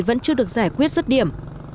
vẫn chưa được giải quyết xuất điểm